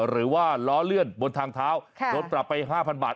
หรือว่าล้อเลื่อนบนทางเท้าโดนปรับไป๕๐๐บาท